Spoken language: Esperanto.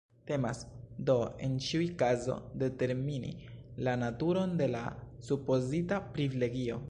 Temas, do, en ĉiu kazo determini la naturon de la supozita “privilegio.